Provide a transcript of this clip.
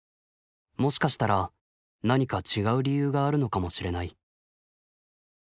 もしかしたら何か違う理由があるのかもしれない」。